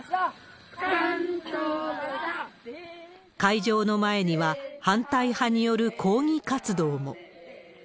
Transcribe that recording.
会場の前には、反対派による抗議活動も。